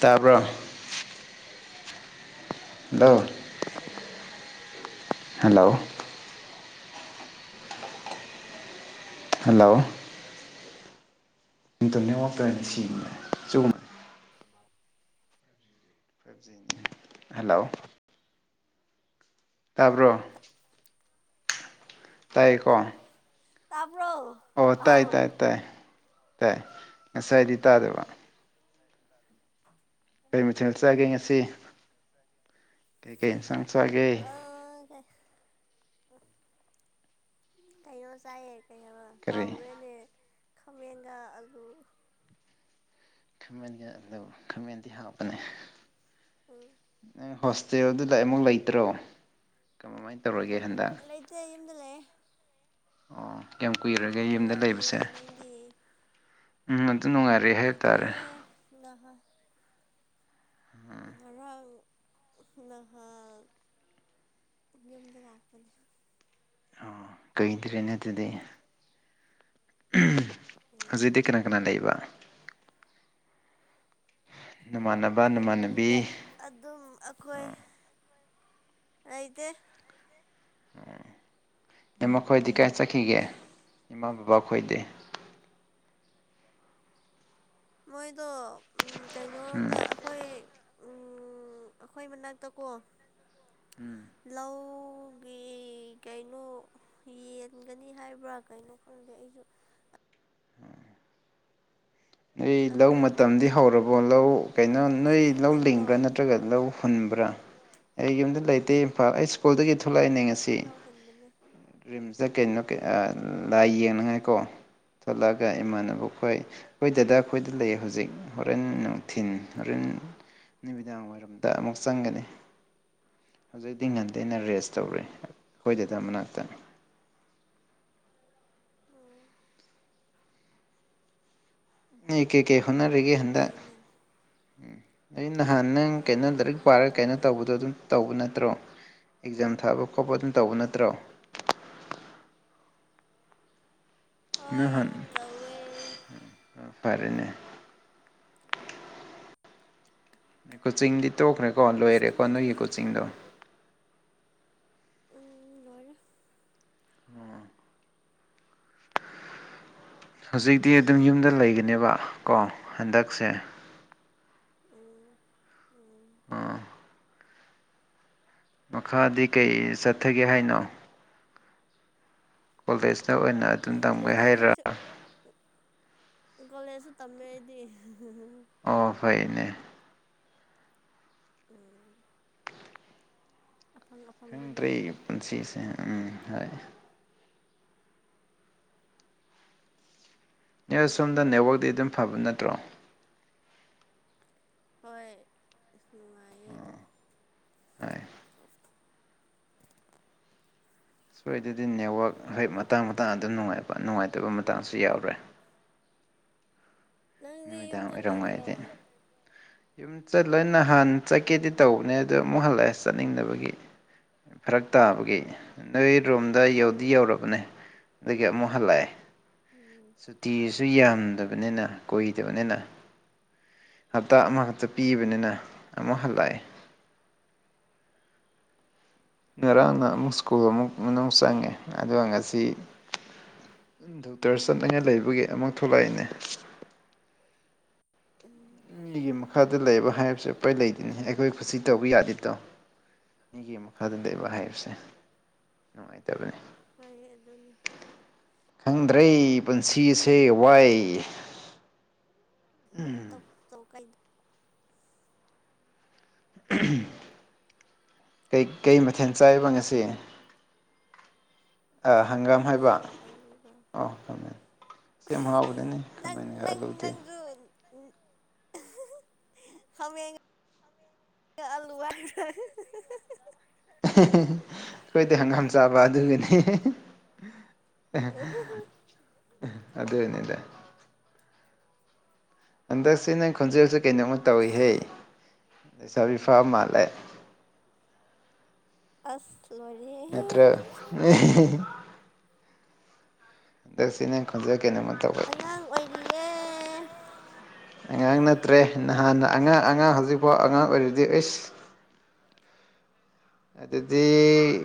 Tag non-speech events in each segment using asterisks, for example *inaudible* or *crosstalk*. ꯇꯥꯕ꯭ꯔꯣ ꯗꯣ hello hello internet ꯉꯥꯛꯇꯩꯅ ꯁꯤꯕꯅꯦ ꯆꯨꯝ ꯍꯦꯜꯂꯣ ꯇꯥꯕ꯭ꯔꯣ ꯇꯥꯏꯀꯣ ꯇꯥꯕ꯭ꯔꯣ ꯑꯣ ꯇꯥꯏ ꯑꯧ ꯇꯥꯏ ꯇꯥꯏ ꯇꯥꯏ ꯉꯁꯥꯏꯗꯤ ꯇꯥꯗꯕ ꯀꯩ ꯀꯩ ꯀꯩ ꯆꯪ ꯆꯒꯦ ꯀꯣ ꯆꯥꯏ ꯀꯩ ꯍꯥꯏ ꯀꯔꯤ ꯀꯥꯎꯔꯦꯅꯦ ꯈꯥꯃꯦꯟꯒ ꯑꯥꯂꯨ ꯈꯥꯃꯦꯟꯒꯤ ꯑꯗꯨ ꯈꯥꯃꯦꯟꯗꯤ ꯍꯥꯞꯄꯅꯦ ꯎꯝ ꯍꯣꯁꯇꯦꯜꯗꯨꯗ ꯑꯃꯨꯛ ꯂꯩꯇ꯭ꯔꯣ ꯀꯃꯥꯏꯅ ꯇꯧ ꯂꯩꯇꯦ ꯌꯨꯝꯗ ꯂꯩ ꯑꯣ ꯀꯌꯥꯝ ꯑꯗꯨ ꯀꯨꯏꯔꯒꯦ ꯌꯨꯝꯗ ꯅꯨꯡꯉꯥꯏꯔꯤꯑꯦ ꯂꯩꯕꯁꯦ ꯅꯪꯗꯤ ꯎꯝ ꯑꯗꯨ ꯅꯨꯡꯉꯥꯏꯔꯦ ꯍꯥꯏꯇꯥꯔꯦ ꯀꯨꯏꯗ꯭ꯔꯤꯌꯦ ꯉꯥꯡ ꯅꯍꯥ ꯌꯨꯝꯗ ꯂꯥꯛꯄꯅꯦ ꯑꯣ ꯀꯩꯗ꯭ꯔꯦ ꯅ ꯑꯗꯨꯗꯤ ꯎꯝ ꯍꯧꯖꯤꯗꯤ ꯀꯅꯥ ꯀꯅꯥ ꯂꯩꯕ ꯅꯃꯥꯟꯅꯕ ꯅꯃꯥꯟꯅꯕꯤ ꯌꯨꯝꯗ ꯑꯗꯤ ꯎ ꯏꯃ ꯈꯣꯏꯗꯤ ꯀꯥꯏ ꯆꯠꯈꯤꯒꯦ ꯏꯃꯥ ꯕꯕꯥ ꯈꯣꯏꯗꯤ ꯃꯣꯏꯗꯣ ꯎꯝ ꯀꯩꯅꯣꯣꯔꯣꯝꯗ ꯑꯩꯈꯣꯏ ꯎꯝ ꯑꯩꯈꯣꯏ ꯃꯅꯥꯛꯇ ꯀꯣ ꯂꯧ ꯑ ꯀꯣ ꯌꯦꯟꯒꯅꯤ ꯍꯥꯏꯕ꯭ꯔꯥ ꯀꯩꯅꯣ ꯈꯪꯗꯦ ꯑꯩꯁꯨ ꯅꯣꯏ ꯂꯧ ꯑꯗꯨꯒꯤ ꯃꯇꯝꯗꯤ ꯍꯧꯔꯕꯣ ꯂꯧ ꯀꯩꯅꯣ ꯅꯣꯏ ꯅꯪꯗꯤ ꯌꯨꯝ ꯂꯧ ꯂꯩꯕ꯭ꯔꯣ ꯂꯤꯡꯕ꯭ꯔꯥ ꯅꯠꯇ꯭ꯔꯒ ꯂꯧ ꯍꯨꯟꯕ꯭ꯔꯥ ꯑꯩ ꯌꯨꯝꯗ ꯂꯩꯇꯦ ꯏꯝꯐꯥꯜ ꯑꯩ ꯁ꯭ꯀꯨꯜꯗꯒꯤ ꯂꯩꯅ ꯉꯁꯤ ꯂꯧ ꯍꯨꯟꯕꯅꯦ ꯔꯤꯝꯁꯇ ꯀꯩꯅꯣ ꯂꯥꯏ ꯑꯣ ꯌꯦꯡꯅꯉꯥꯏꯀꯣ ꯊꯣꯛꯂꯛꯑꯒ ꯏꯃꯥꯟꯅꯕ ꯑꯩꯈꯣꯏ ꯑꯩꯈꯣꯏ ꯗꯗꯥ ꯑꯩꯈꯣꯏꯗ ꯎꯝ ꯂꯩ ꯍꯧꯖꯤꯛ ꯍꯣꯔꯦꯟ ꯅꯨꯡꯊꯤꯟ ꯍꯣꯔꯦꯟ ꯅꯨꯃꯤꯗꯥꯡ ꯋꯥꯏꯔꯝꯗ ꯑꯃꯨꯛ ꯆꯪꯒꯅꯤ ꯍꯧꯖꯤꯛꯇꯤ ꯉꯟꯗꯦꯩꯅ ꯔꯦꯁ ꯇꯧꯔꯦ ꯑꯩꯈꯣꯏꯗꯗ ꯃꯅꯥꯛꯇꯅꯤ *unintelligible* ꯎꯝ ꯑꯩ ꯀꯩ ꯀꯩ ꯍꯣꯠꯅꯔꯒꯦ ꯍꯟꯗꯛ ꯐꯩꯅꯦ ꯎꯝ ꯅꯍꯥꯟ ꯅ ꯀꯩꯅꯣ ꯑꯩꯔꯣ ꯂꯥꯏꯔꯤꯛ ꯀꯔꯤꯝ ꯄꯥꯔꯒ ꯀꯩꯅꯣ ꯇꯧꯗꯦ ꯇꯧꯕꯗꯣ ꯑꯗꯨꯝ ꯇꯧꯕ ꯅꯠꯇ꯭ꯔꯣ ꯑꯦꯛꯖꯥꯝ ꯊꯥꯕ ꯈꯣꯠꯄ ꯑꯗꯨꯝ ꯇꯧꯕ ꯅꯠꯇ꯭ꯔꯣ ꯍꯣꯏ ꯍ ꯇꯧꯋꯦ ꯐꯔꯦꯅꯦ *unintelligible* ꯀꯣꯆꯤꯡꯗꯤ ꯇꯣꯛꯈ꯭ꯔꯦꯀꯣ ꯑꯁ ꯂꯣꯏꯔꯦꯀꯣ ꯅꯣꯏꯒꯤ ꯈꯪꯗ꯭ꯔꯦꯗ ꯀꯣꯆꯤꯡꯗꯣ ꯎꯝ ꯂꯣꯏꯔꯦ ꯎꯝ ꯍꯧꯖꯤꯛꯇꯤ ꯑꯗꯨꯝ ꯌꯨꯝꯗ ꯂꯩꯒꯅꯦꯕ ꯀꯣ ꯍꯟꯗꯛꯁꯦ ꯎꯝ ꯎꯝ ꯑ ꯃꯈꯥꯗꯤ ꯀꯩ ꯆꯠꯊꯒꯦ ꯍꯥꯏꯅꯣ ꯀꯣꯦꯖ ꯇ ꯑꯣꯏꯅ ꯑꯗꯨꯝ ꯇꯝꯒꯣꯏ ꯈꯪꯗ꯭ꯔꯦꯗ ꯍꯥꯏꯔ ꯏ ꯀꯣꯂꯦꯖꯁꯨ ꯇꯝꯃꯦꯗꯤ ꯑꯣ ꯐꯩꯅꯦ ꯎꯝ ꯑꯐꯪ ꯑꯐꯪꯕꯅꯦ ꯈꯪꯗ꯭ꯔꯤ ꯄꯨꯟꯁꯤꯁꯦ ꯎꯝ ꯍꯣꯏ ꯅ꯭ꯌꯁ ꯁꯣꯝꯗ ꯅꯦꯠꯋꯥꯛꯇꯤ ꯑꯗꯨꯝ ꯐꯕ ꯅꯠꯇ꯭ꯔꯣ ꯍꯣꯏ ꯅꯨꯡꯉꯥꯏꯌꯦ ꯑꯗꯨꯝ ꯑꯣ ꯇ ꯁꯣꯏꯗꯗꯤ ꯅꯦꯠꯋꯥꯛ ꯍꯣꯏ ꯃꯇꯥꯡ ꯃꯇꯥꯡ ꯑꯗꯨꯝ ꯅꯨꯡꯉꯥꯏꯕ ꯅꯨꯡꯉꯥꯏꯇꯕ ꯃꯇꯥꯡꯁꯨ ꯌꯥꯎꯔꯦ *inaudible* ꯅꯪꯗꯤ ꯌꯨꯝ ꯅꯨꯃꯤꯗꯥꯡ ꯆꯠꯂꯣꯏꯗ꯭ꯔꯣ ꯑꯣꯏꯔꯝꯉꯥꯏꯗꯤ ꯌꯨꯝ ꯆꯠꯂꯣꯏ ꯅꯍꯥꯟ ꯆꯠꯀꯦꯗꯤ ꯇꯧꯕꯅꯦ ꯑꯗꯣ ꯑꯃꯨꯛ ꯍꯜꯂꯛꯑꯦ ꯆꯠꯅꯤꯡꯗꯕꯒꯤ ꯐꯔꯛ ꯇꯥꯕꯒꯤ ꯅꯣꯏ ꯔꯨꯝꯗ ꯌꯧꯗꯤ ꯌꯧꯔꯕꯅꯦ ꯑꯗꯒꯤ ꯑꯃꯨꯛ ꯍꯜꯂꯛꯑꯦ ꯎꯝ ꯁꯨꯇꯤꯁꯨ ꯌꯥꯝꯗꯕꯅꯤꯅ ꯀꯣꯏꯗꯕꯅꯤꯅ ꯍꯞꯇꯥ ꯑꯃꯈꯛꯇ ꯄꯤꯕꯅꯤꯅ ꯑꯃꯨꯛ ꯍꯜꯂꯛꯑꯦ ꯉꯔꯥꯡꯅ ꯑꯃꯨꯛ ꯁ꯭ꯀꯨꯜ ꯑꯃꯨꯛ ꯃꯅꯨꯡ ꯆꯪꯉꯦ ꯑꯗꯨꯒ ꯉꯁꯤ ꯗꯣꯛꯇꯔ ꯆꯠꯅꯤꯡꯉꯥꯏ ꯂꯩꯕꯒꯤ ꯑꯃꯨꯛ ꯊꯣꯛꯂꯛꯏꯅꯦ ꯎꯝ ꯃꯤꯒꯤ ꯃꯈꯥꯗ ꯂꯩꯕ ꯍꯥꯏꯕꯁꯨꯦꯄꯩ ꯂꯩꯗꯤꯅꯦ ꯑꯩꯈꯣꯏ ꯈꯨꯠꯁꯤ ꯇꯧꯕ ꯌꯥꯗꯦꯗꯣ ꯑꯩꯒꯤ ꯃꯈꯥꯗꯗꯩꯕ ꯍꯥꯏꯞꯁꯦ ꯅꯨꯡꯉꯥꯏꯇꯕꯅꯦ ꯍꯣꯏ ꯑꯗꯨꯅꯦ ꯈꯪꯗ꯭ꯔ ꯑꯔꯩ ꯄꯨꯟꯁꯤꯁꯦ ꯋꯥꯏ ꯇꯥ ꯇꯣ ꯀꯩ *unintelligible* ꯀꯩꯀꯩ ꯃꯊꯦꯜ ꯆꯥꯏꯕ ꯉꯁꯤ ꯍꯪꯒꯥꯝ ꯍꯥꯏꯕꯥ ꯈꯥꯃꯦꯟꯒ ꯑꯂꯨꯒ ꯑ‌ꯣ ꯊꯝꯃꯦ ꯁꯦꯝ ꯍꯥꯎꯕꯗꯅꯤ ꯅꯪ ꯀꯃꯥꯏꯅ ꯈ ꯅꯪ ꯂꯧꯗꯦ ꯍ ꯑꯂꯨ ꯑꯩꯈꯣꯏꯗꯤ ꯍꯪꯒꯥꯝ ꯆꯥꯕ ꯑꯗꯨꯒꯅꯤ ꯑꯗꯅꯤꯗ ꯍꯟꯗꯛꯁꯤ ꯅꯪ ꯈꯣꯟꯖꯦꯜꯁꯤ ꯀꯩꯅꯣꯝꯃ ꯑꯁ ꯇꯧꯏꯍꯦ ꯂꯩꯕꯤ ꯐꯥꯃꯂꯦ ꯑꯁ ꯂꯣꯏꯔꯦꯍꯦ ꯅꯠꯇ꯭ꯔꯥ *unintelligible* ꯗꯦꯛꯁꯤꯅꯦ ꯈꯣꯟꯖꯦꯛ ꯑꯉꯥꯡ ꯑꯣꯏꯔꯤꯌꯦ ꯑꯉꯥꯡ ꯅꯠꯇ꯭ꯔꯦ ꯅꯍꯥꯟ ꯑꯉꯥꯡ ꯑꯉꯥꯡ ꯍꯧꯖꯤꯛꯐꯥꯎ ꯑꯉꯥꯡ ꯑꯣꯏꯔꯤꯗꯤ ꯑꯣꯏꯁ ꯑꯗꯨꯗꯤ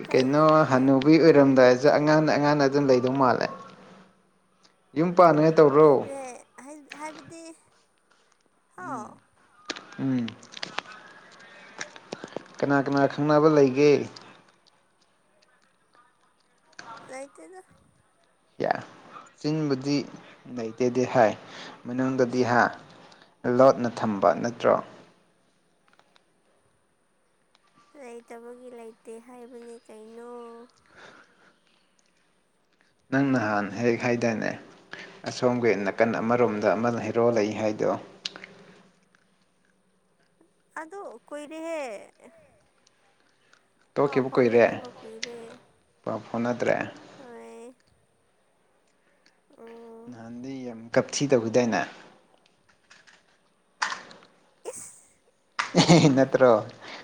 ꯆꯍꯤ ꯀꯩꯅꯣ ꯍꯅꯨꯕꯤ ꯑꯣꯏꯔꯝꯗꯥꯏꯁꯨ ꯑꯉ ꯑꯉ ꯑꯗꯨꯝ ꯂꯩ ꯃꯥꯜꯂꯦ ꯌ ꯄꯥꯅ ꯇꯧꯔꯣ ꯍꯥꯏꯁꯦ ꯎꯝ ꯍꯥ ꯎꯝ ꯀꯅꯥ ꯀꯅꯥ ꯈꯪꯅꯕ ꯂꯩꯒꯦ ꯂꯥꯏꯇꯩꯅꯣ ꯆꯤꯟꯕꯨꯗꯤ ꯂꯩꯇꯦꯗꯤꯦ ꯍꯥꯏ ꯃꯅꯨꯡꯗꯗꯤ ꯍꯥ ꯂꯣꯠꯅ ꯊꯝꯕ ꯅꯠꯇ꯭ꯔꯣ ꯂꯩꯇꯕꯒꯤ ꯂꯩꯇꯦ ꯍꯥꯏꯕꯅꯦ ꯀꯩꯅꯣ ꯅꯪ ꯅꯍꯥꯟ ꯍꯦꯛ ꯍꯥꯏꯗꯅꯦ ꯑꯁꯣꯝꯒꯤ ꯅꯥꯀꯟ ꯑꯃꯔꯣꯝꯗ ꯑꯃ ꯍꯩꯔꯣ ꯂꯩ ꯍꯥꯏꯗꯣ ꯑꯗ ꯀꯣꯏ ꯔꯍꯦ ꯄꯥꯎ ꯇꯣꯛꯈꯤꯕ ꯀꯨꯏꯔꯦ ꯐꯥꯎꯅꯗꯕ ꯀꯨꯏꯔꯦ꯫ ꯄꯥꯎ ꯐꯥꯎꯅꯗ꯭ꯔꯦ꯫ ꯍꯣꯏ꯫ ꯎꯝ꯫ ꯅꯍꯥꯟꯗꯤ ꯌꯥꯝ ꯒꯞꯊꯤ ꯇꯧꯈꯤꯗꯥꯏꯅꯦ꯫ ꯏꯁ꯫ ꯅꯠꯇ꯭ꯔꯣ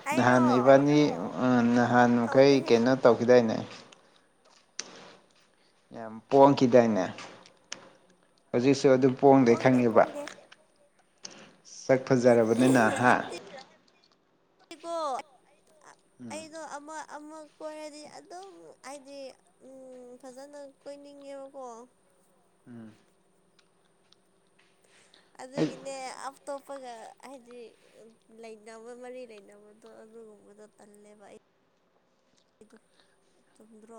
ꯑꯩꯔꯣ ꯅꯍꯥꯟ ꯏꯕꯥꯅꯤ ꯑꯥ ꯅꯍꯥꯟ ꯃꯈꯩ ꯇꯧꯗꯦꯍꯦ ꯀꯩꯅꯣ ꯇꯧꯈꯤꯗꯥꯏꯅꯦ ꯌꯥꯝ ꯄꯣꯡꯈꯤꯗꯥꯏꯅꯦ ꯍꯧꯖꯤꯛꯁꯨ ꯑꯗꯨꯝ ꯄꯣꯡꯗꯣꯏ ꯄꯣꯡꯗꯦ ꯈꯪꯉꯤꯕ ꯄꯣꯡꯗꯦ ꯁꯛ ꯐꯖꯔꯕꯅꯤꯅ ꯍꯥ ꯑꯩꯒꯣ ꯎꯝ ꯑꯩꯗꯣ ꯑꯃ ꯑꯃ ꯀꯣꯏꯔꯗꯤ ꯑꯗꯨꯝ ꯍꯥꯏꯗꯤ ꯑꯥ ꯐꯖꯅ ꯀꯣꯏꯅꯤꯡꯉꯦꯕꯀꯣ ꯎꯝ ꯑꯩ ꯑꯗꯨꯒꯤꯅꯦ ꯑꯇꯣꯞꯄꯒ ꯍꯥꯏꯗꯤ ꯂꯩꯅꯕ ꯃꯔꯤ ꯂꯩꯅꯕꯗꯣ ꯑꯗꯨꯒꯨꯝꯕꯗꯣ ꯇꯜꯂꯦꯕ ꯑꯩ *inaudible* ꯑꯩꯗꯣ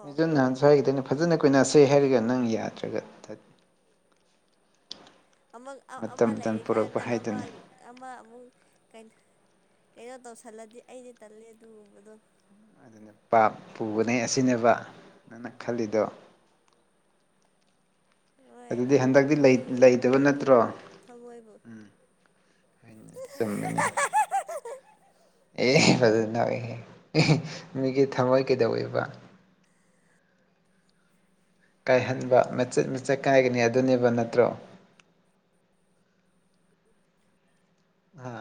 ꯑꯗꯨꯅ ꯉꯁꯥꯏꯒꯤꯗꯨꯅ ꯐꯖꯅ ꯀꯣꯏꯁꯦ ꯍꯥꯏꯔꯒ ꯅꯪꯅ ꯌꯥꯗ꯭ꯔꯒ ꯇꯠ ꯑꯃꯛ ꯑꯃ ꯃꯇꯝ ꯄꯨꯔꯛꯄ ꯂꯩꯔꯤꯀꯥꯟꯗ ꯑꯃ ꯍꯥꯏꯗꯨꯅꯤ ꯑꯃ ꯑꯃꯨꯛ ꯀꯩꯅꯣ ꯀꯩꯅꯣ ꯇꯧꯁꯜꯂꯗꯤ ꯑꯩꯗꯤ ꯇꯜꯂꯦ ꯑꯗꯨꯒꯨꯝꯕꯗꯣ ꯑꯗꯨꯅ ꯄꯥꯞ ꯄꯨꯕꯅꯦ ꯑꯁꯤꯅꯦꯕ ꯅꯪꯅ ꯈꯜꯂꯤꯗꯣ ꯍꯣꯏ ꯑꯗꯨꯗꯤ ꯑꯝ ꯍꯟꯗꯛꯇꯤ ꯂꯩ ꯃꯤ ꯂꯩꯇꯕ ꯃꯤꯒꯤ ꯅꯠꯇ꯭ꯔꯣ ꯊꯃꯣꯏꯕꯨ ꯎꯝ ꯍꯣꯏꯅꯦ ꯆꯨꯝꯃꯤꯅꯦ ꯑꯦꯍꯦ ꯐꯖꯅ *unintelligible* ꯃꯤꯒꯤ ꯊꯝꯃꯣꯏ ꯀꯩꯗꯧꯌꯦꯕ ꯀꯥꯏꯍꯟꯕ ꯃꯆꯦꯠ ꯃꯆꯦꯠ ꯀꯥꯏꯒꯅꯦ ꯑꯗꯨꯅꯦꯕ ꯅꯠꯇ꯭ꯔꯣ ꯍꯥ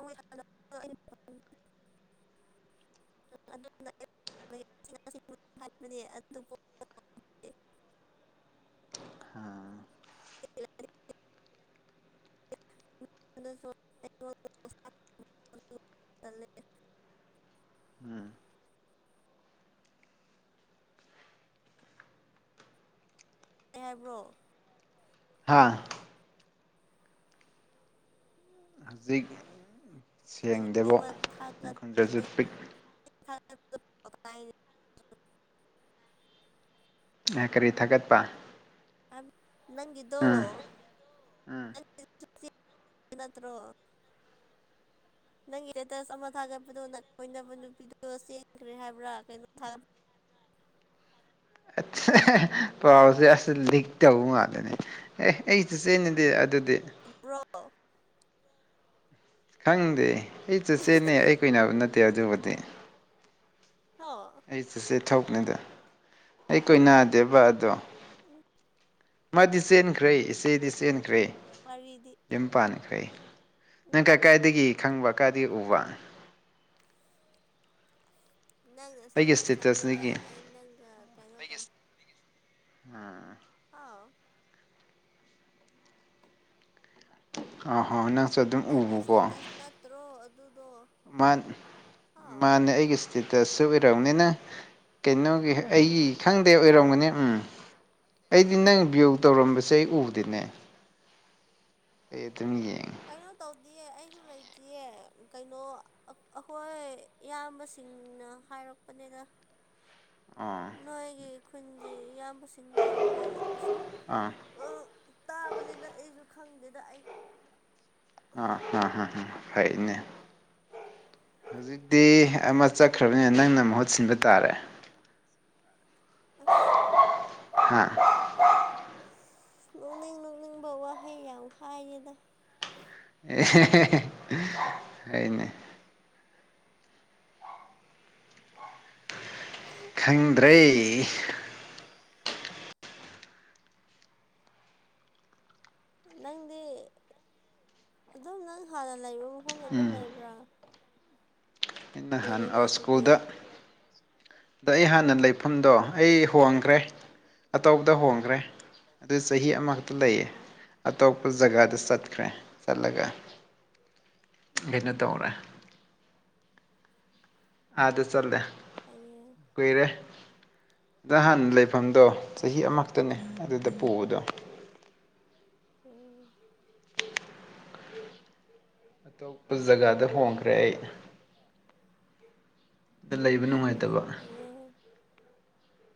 *unintelligible* *unintelligible* ꯍꯥꯏꯕꯅꯦ ꯑꯗꯨꯕꯨ꯫ *inaudible* ꯍꯥ *unintelligible* *unintelligible* ꯎꯝ ꯀꯩ ꯍꯥꯏꯕ꯭ꯔꯣ ꯍꯥꯥ ꯍꯧꯖꯤꯛ ꯅꯪꯒꯤ ꯁꯦꯡꯗꯦꯕꯣ ꯑꯃ ꯅꯪ ꯊꯥꯒꯠ ꯈꯣꯟꯖꯦꯜꯁꯨ ꯄꯤꯛ *unintelligible* ꯑꯦ ꯀꯔꯤ ꯊꯥꯒꯠꯄ ꯅꯪꯒꯤꯗꯣ ꯎꯝ *unintelligible* ꯅꯠꯇ꯭ꯔꯣ꯫ *inaudible* ꯅꯪꯒꯤ ꯁ꯭ꯇꯦꯇꯁ ꯑꯃ ꯊꯥꯒꯠꯄꯗꯣ ꯅꯪꯒꯤ ꯀꯣꯏꯅꯕ ꯅꯨꯄꯤꯗꯨ ꯆꯦꯟꯈ꯭ꯔꯦ ꯍꯥꯏꯕ꯭ꯔꯥ ꯀꯩꯅꯣ ꯊꯥ *inaudible* ꯑꯥꯁꯦ ꯄꯥꯎꯁꯦ ꯑꯁ ꯂꯤꯛ ꯇꯧꯕ ꯃꯥꯜꯂꯅꯦ ꯑꯦ ꯑꯩ ꯆꯤꯆꯦꯟꯅꯗꯤ ꯆꯨꯝꯕ꯭ꯔꯣ ꯈꯪꯗꯦ ꯑꯩ ꯆꯦꯆꯦꯅꯦ ꯑꯩ ꯀꯣꯏꯅꯕ ꯅꯠꯇꯦ ꯑꯗꯨꯕꯨꯗꯤ ꯍꯣ ꯑꯩ ꯆꯦꯆꯦ ꯊꯣꯛꯅꯤꯗ ꯑꯩ ꯀꯣꯏꯅꯗꯦꯕ ꯑꯗꯣ ꯃꯥꯗꯤ ꯆꯦꯟꯈ꯭ꯔꯦ ꯏꯆꯦꯗꯤ ꯆꯦꯟꯈ꯭ꯔꯦ ꯋꯥꯔꯤꯗꯤ ꯌꯨꯝ ꯄꯥꯟꯈ꯭ꯔꯦ ꯅꯪ ꯀꯥꯏ ꯎꯝ ꯀꯥꯏꯗꯒꯤ ꯈꯪꯕ ꯀꯥꯏꯗꯒꯤ ꯎꯕ ꯅꯪꯅ ꯑꯩꯒꯤ ꯁ꯭ꯇꯦꯇꯁ ꯊꯝꯃꯒ ꯏꯁꯇꯦꯇꯁꯇꯒꯤ ꯑꯩ ꯅꯪꯒ ꯀꯩꯅꯣ ꯇꯧ ꯑ ꯍꯥꯎ ꯑꯣ ꯍꯣ ꯁꯨ ꯑꯗꯨꯝ ꯅꯪꯒꯤ ꯎꯕꯀꯣ ꯏꯁꯇꯦꯇꯁ ꯅꯠꯇ꯭ꯔꯣ ꯑꯗꯨꯗꯣ ꯃꯥꯟ ꯑꯥ ꯃꯥꯟꯅꯦ ꯑꯩꯒꯤ ꯁ꯭ꯇꯦꯠ ꯗꯁꯨ ꯑꯣꯏꯔꯝꯅꯤꯅ ꯀꯩꯅꯣꯒꯤ ꯑꯩꯒꯤ ꯈꯪꯗꯦ ꯑꯣꯏꯔꯝꯒꯅꯦ ꯎꯝ ꯑꯩꯗꯤ ꯅꯪ ꯕ꯭ꯌꯨ ꯇꯧꯔꯝꯕꯁꯦ ꯑꯩ ꯎꯗꯦꯅꯦ ꯑꯦ ꯇꯃꯤꯒ ꯀꯩꯅꯣ ꯇꯧꯗꯌꯦ ꯑꯩꯁꯨ ꯂꯩꯇꯦ ꯀꯩꯅꯣ ꯑꯩꯈꯣꯏ ꯏꯌꯥꯝꯕꯁꯤ ꯇꯟꯅ ꯍꯥꯏꯔꯛꯄꯅꯤꯅ *unintelligible* ꯑꯥ ꯅꯣꯏꯒꯤ ꯈꯨꯟꯒꯤ ꯏꯌꯥꯝꯕꯁꯤꯡꯗꯣ ꯃꯣꯏꯅ ꯑꯁꯨꯝ ꯑꯥ ꯇꯥꯕꯅꯤꯅ ꯑꯩꯁꯨ ꯈꯪꯗꯦꯗ ꯑꯩ ꯑꯥ ꯍꯥꯥ ꯍꯅꯦ ꯍꯧꯖꯤꯛꯇꯤ ꯑꯃ ꯆꯠꯈ꯭ꯔꯕꯅꯤꯅ ꯅꯪꯅ ꯃꯍꯨꯠ ꯁꯤꯟꯕ ꯇꯥꯔꯦ ꯑꯁ ꯍꯥꯝ ꯅꯣꯛꯅꯤꯡ ꯅꯣꯛꯅꯤꯡꯕ ꯋꯥꯍꯩ ꯌꯥꯝ ꯍꯥꯏꯌꯦꯦꯗ ꯑꯦ ꯍꯅꯦ ꯈꯪꯗ꯭ꯔꯦ ꯅꯪꯗꯤ ꯑꯗꯨꯝ ꯅꯪ ꯍꯥꯟꯅ ꯂꯩꯕ ꯃꯐꯝꯗ ꯑꯗꯨꯝ ꯎꯝ ꯂꯩꯕ꯭ꯔꯥ ꯀꯨꯏꯔꯦꯅꯦ ꯏꯍꯥꯟ ꯑꯗꯨꯗꯤ ꯁ꯭ꯀꯨꯜꯗ ꯗ ꯑꯩꯍꯥꯟ ꯌꯥꯝꯅ ꯂꯩꯐꯝꯗꯣ ꯑꯩ ꯍꯣꯡꯈ꯭ꯔꯦ ꯑꯇꯧꯕꯗ ꯍꯣꯡꯈ꯭ꯔꯦ ꯑꯗꯨ ꯆꯍꯤ ꯑꯃꯈꯛꯇ ꯂꯩꯌꯦ ꯑꯣ ꯑꯇꯣꯞꯄ ꯖꯒꯥꯗ ꯆꯠꯈ꯭ꯔꯦ ꯆꯠꯂꯒ ꯚꯤꯤꯟ ꯇꯧ ꯑꯣꯔꯥ ꯑꯥꯗ ꯆꯠꯂꯦ ꯐꯩꯌꯦ ꯀꯨꯏꯔꯦ ꯑꯗ ꯍꯥꯟꯅ ꯂꯩꯐꯝ ꯑꯗꯣ ꯆꯍꯤ ꯑꯃꯛꯇꯅꯦ ꯑꯗꯨꯗ ꯎꯝ ꯄꯨꯕꯗꯣ ꯎꯝ ꯑꯇꯣꯞꯄ ꯖꯒꯥꯗ ꯍꯣꯡꯈ꯭ꯔꯦ ꯑꯩ ꯗ ꯂꯩꯕ ꯌꯥꯝ ꯅꯨꯡꯉꯥꯏꯇꯕ ꯐꯩꯌꯦ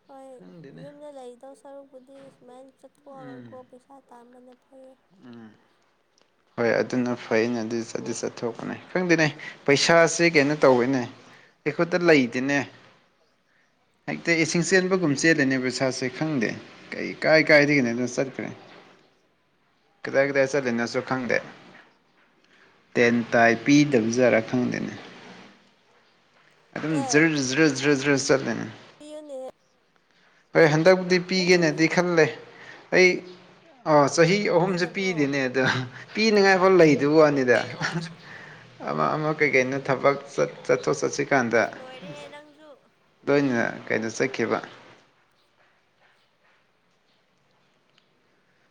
ꯍꯣꯏ ꯈꯪꯗꯦꯅꯦ ꯌꯨꯝꯗ ꯂꯩꯗꯧ ꯁꯔꯨꯛꯄꯨꯗꯤ ꯁꯨꯃꯥꯏꯅ ꯎꯝ ꯆꯠꯊꯣꯛꯑꯒꯀꯣ ꯄꯩꯁꯥ ꯇꯥꯥꯟꯕꯅ ꯐꯔ ꯎꯝ ꯍꯣꯏ ꯑꯗꯨꯅ ꯐꯩꯅꯦ ꯑꯗꯨ ꯑꯗꯨ ꯆꯠꯊꯣꯛꯄꯅꯤ ꯈꯪꯗꯦꯅꯦ ꯄꯩꯁꯥꯁꯤ ꯀꯩꯅꯣ ꯇꯧꯋꯦꯅꯦ ꯑꯩꯈꯣꯏꯗ ꯂꯩꯗꯦꯅꯦ ꯍꯦꯛꯇ ꯁꯤꯡꯆꯦꯟꯕꯒꯨꯝ ꯆꯦꯜꯂꯅꯦꯕ ꯁꯥꯥꯁꯦ ꯈꯪꯗꯦ ꯀꯩ ꯀꯥꯏ ꯀꯥꯏꯗꯤꯅꯦ ꯅ ꯆꯔ ꯎꯝ ꯀꯅꯦ ꯀꯗꯥ ꯀꯗꯥ ꯆꯠ ꯈꯪꯗꯦ ꯇꯦꯟ ꯇꯥꯏ ꯄꯤꯗꯕꯖꯥꯠꯔꯥ ꯈꯪꯗꯦꯅꯦ ꯆꯠ ꯌꯌꯅꯦ ꯍꯣꯏ ꯍꯟꯗꯛꯄꯨꯗꯤ ꯄꯤꯒꯦꯅꯗꯤ ꯈꯜꯂꯦ ꯑꯩ ꯆꯍꯤ ꯑꯍꯨꯝꯁꯦ ꯄꯤꯕꯤꯗꯕ꯭ꯔꯣ ꯄꯤꯗꯅꯦ ꯑꯗꯣ ꯄꯤꯅꯤꯉꯥꯏꯐꯥꯎ ꯂꯩꯗꯕꯅꯤꯗ ꯑꯃ ꯑꯃ ꯀꯩꯀꯩꯅꯣ ꯊꯕꯛꯠ ꯆꯠ ꯑꯣꯣꯊꯣ ꯆꯠꯁꯤ ꯀꯥꯟꯗ ꯑꯁ ꯂꯣꯏꯔꯦꯍꯦ ꯅꯪꯁꯨ ꯂꯣꯏꯅ ꯀꯩꯅꯣ ꯆꯠꯈꯤꯕ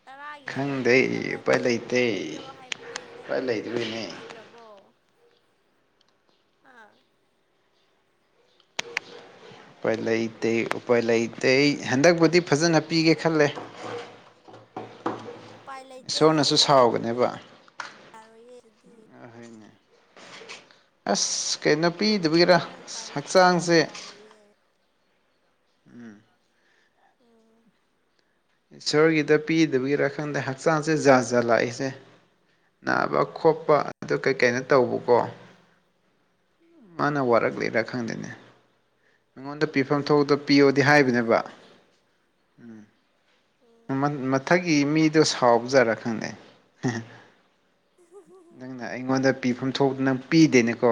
ꯇꯔꯥꯒꯤ ꯁꯔꯨꯛꯇꯒꯤ ꯈꯪꯗꯦ ꯎꯄꯥꯏ ꯑꯃꯗꯤ ꯂꯩꯇꯦ ꯄꯤꯌꯣ ꯍꯥꯏꯕꯅꯦ ꯅꯪꯗꯤ ꯀꯔꯤꯝꯇ ꯄꯤꯗ꯭ꯔꯕꯣ ꯎ ꯑꯥ ꯎꯄꯥꯏ ꯂꯩꯇ ꯎꯄꯥꯏ ꯂꯩꯇꯦ ꯍꯟꯗꯛꯄꯨꯗꯤ ꯐꯖꯅ ꯄꯤꯒꯦ ꯈꯜꯂꯦ ꯀꯩꯅꯣ ꯎꯄꯥꯏ ꯂꯩꯇꯦ ꯏꯁꯣꯔꯅꯁꯨ ꯍꯥꯏꯕ ꯁꯥꯎꯒꯅꯦꯕ ꯌꯥꯔꯣꯏꯌꯦ ꯑꯗꯨꯗꯤ ꯑꯁ ꯀꯩꯅꯣ ꯄꯤꯗꯕꯤꯒꯤꯔ ꯅꯪ ꯎꯄꯥꯏ ꯂꯩꯇꯦ ꯍꯥꯏꯕ ꯍꯛꯆꯥꯡꯁꯦ ꯌꯥꯔꯣꯏꯌꯦ ꯎꯝ ꯎ ꯏꯁꯣꯔꯒꯤꯗ ꯄꯤꯗꯕꯒꯤꯔ ꯈꯪꯗꯦ ꯍꯛꯆꯥꯡꯁꯦ ꯖꯥꯠ ꯖꯥꯠ ꯂꯥꯛꯏꯁꯦ ꯅꯥꯕ ꯈꯣꯠꯄ ꯑꯗꯨ ꯀꯩꯀꯩꯅ ꯎꯝ ꯍꯣꯏ ꯇꯧꯕꯀꯣ ꯃꯥꯅ ꯎꯝ ꯋꯥꯔꯛꯂꯤꯔꯥ ꯈꯪꯗꯦꯅꯦꯉꯣꯟꯗ ꯄꯤꯐꯝ ꯊꯣꯛꯇ ꯄꯤꯌꯣꯗꯤ ꯑꯣꯏꯔꯝꯃꯅꯤꯌꯦ ꯍꯥꯏꯕꯅꯦꯕ ꯑꯗꯨꯗꯤ ꯎꯝ ꯃꯊꯛꯀꯤ ꯃꯤꯗꯣ ꯁꯥꯎꯖꯥꯔꯥ ꯈꯪꯗꯩ ꯅꯪꯅ ꯑꯩꯉꯣꯟꯗ ꯄꯤꯐꯝ ꯊꯣꯛ ꯅꯪ ꯄꯤꯗꯦꯅꯦꯀꯣ